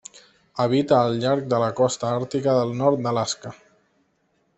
Habita al llarg de la costa àrtica del nord d'Alaska.